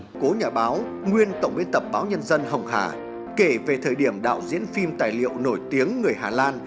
đoàn gồm có cố nhà báo nguyên tổng biên tập báo nhân dân hồng hà kể về thời điểm đạo diễn phim tài liệu nổi tiếng người hà lan